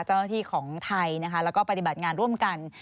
เจ้าหน้าที่ของไทยนะคะแล้วก็ปฏิบัติงานร่วมกัน